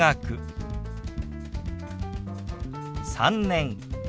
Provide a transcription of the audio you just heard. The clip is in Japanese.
「３年」。